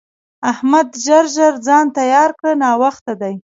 احمده! ژر ژر ځان تيار کړه؛ ناوخته دی.